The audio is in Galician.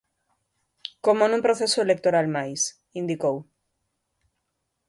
Como nun proceso electoral máis, indicou.